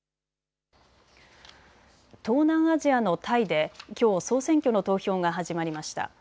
東南アジアのタイできょう総選挙の投票が始まりました。